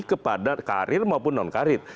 kepada karir maupun non karir